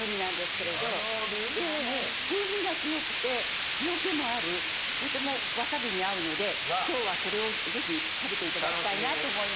ええ風味が強くて塩気もあるとてもわさびに合うので今日はそれをぜひ食べていただきたいなと思います。